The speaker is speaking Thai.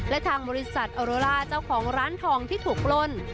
และทางบริษัทออโรล่าเจ้าของร้านทองที่ถูกปล้น